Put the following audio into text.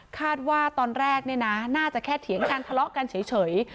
คาดว่าตอนแรกเนี่ยนะน่าจะแค่เถียงกันทะเลาะกันเฉย